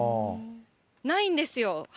ないんですよ。